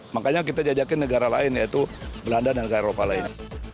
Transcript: makanya kita jajakin negara lain yaitu belanda dan negara eropa lainnya